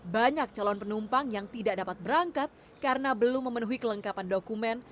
banyak calon penumpang yang tidak dapat berangkat karena belum memenuhi kelengkapan dokumen